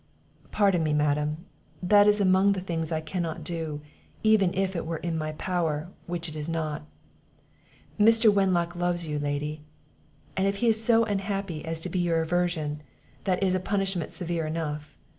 "Pardon me, Madam, that is among the things I cannot do, even if it were in my power, which it is not. Mr. Wenlock loves you, lady, and if he is so unhappy as to be your aversion, that is a punishment severe enough.